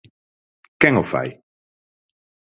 Quen o fai?